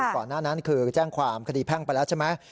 ก่อนหน้านั้นคือแจ้งความคดีแพ่งไปแล้วใช่ไหม